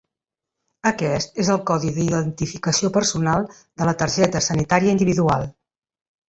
Aquest és el codi d'identificació personal de la targeta sanitària individual.